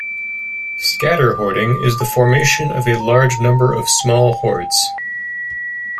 Scatter hoarding is the formation of a large number of small hoards.